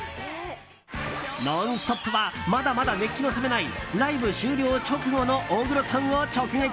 「ノンストップ！」はまだまだ熱気の冷めないライブ終了直後の大黒さんを直撃。